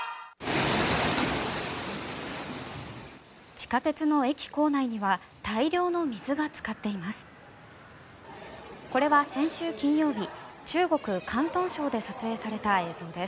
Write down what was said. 地下鉄の駅構内には大量の水がつかっています。